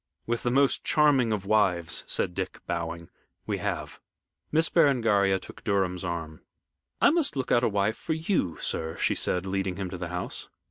"With the most charming of wives," said Dick, bowing. "We have." Miss Berengaria took Durham's arm. "I must look out a wife for you, sir," she said, leading him to the house.